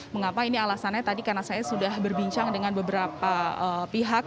mengapa ini alasannya tadi karena saya sudah berbincang dengan beberapa pihak